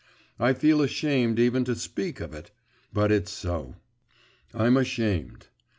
I feel ashamed even to speak of it; but it's so. I'm ashamed.